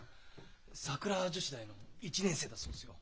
桜女子大の１年生だそうですよ。